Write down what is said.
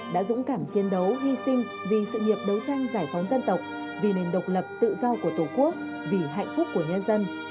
đã dũng cảm chiến đấu hy sinh vì sự nghiệp đấu tranh giải phóng dân tộc vì nền độc lập tự do của tổ quốc vì hạnh phúc của nhân dân